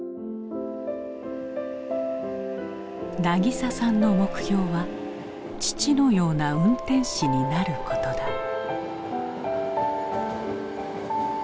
なぎささんの目標は父のような運転士になることだ。